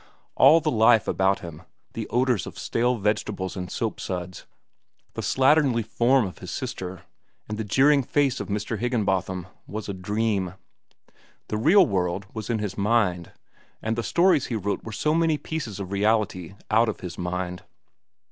All the life about him—the odors of stale vegetables and soapsuds, the slatternly form of his sister, and the jeering face of Mr. Higginbotham—was a dream. The real world was in his mind, and the stories he wrote were so many pieces of reality out of his mind.